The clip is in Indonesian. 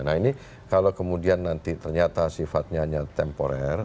nah ini kalau kemudian nanti ternyata sifatnya hanya temporer